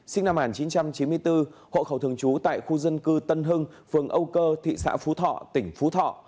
sinh năm một nghìn chín trăm chín mươi bốn hộ khẩu thường trú tại khu dân cư tân hưng phường âu cơ thị xã phú thọ tỉnh phú thọ